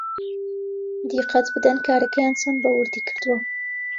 دیقەت بدەن کارەکەیان چەند بەوردی کردووە